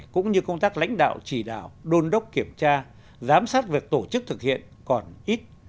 cũng như công tác lãnh đạo chỉ đạo đôn đốc kiểm tra giám sát việc tổ chức thực hiện còn ít